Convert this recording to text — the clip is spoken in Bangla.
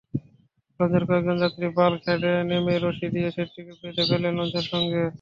লঞ্চের কয়েকজন যাত্রী বাল্কহেডে নেমে রশি দিয়ে সেটিকে বেঁধে ফেলেন লঞ্চের সঙ্গে।